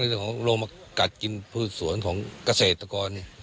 เรื่องของโรงมากัดกินพืชสวนของเกษตรกร